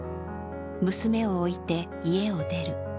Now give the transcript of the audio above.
娘を置いて家を出る。